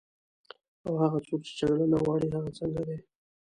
او هغه څوک چې جګړه نه غواړي، هغه څنګه دي؟